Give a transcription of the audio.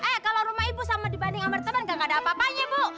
eh kalau rumah ibu sama dibanding sama teman gak ada apa apanya bu